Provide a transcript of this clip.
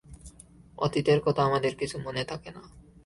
অতীতের কথা আমাদের কিছু মনে থাকে না।